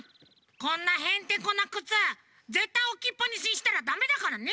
こんなへんてこなくつぜったいおきっぱなしにしたらダメだからね！